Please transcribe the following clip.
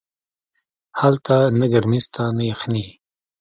هلته نه گرمي سته نه يخني.